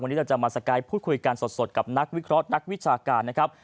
วันนี้เราจะมาสกายพูดคุยกันสดกับนักวิเคราะห์นักวิชาการนะครับ